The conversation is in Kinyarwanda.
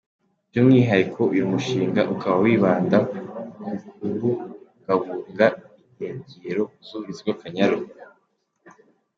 By’umwihariko, uyu mushinga ukaba wibanda ku kubungabunga inkengero z’uruzi rw’Akanyaru.